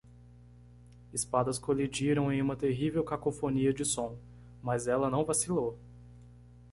Espadas colidiram em uma terrível cacofonia de som, mas ela não vacilou.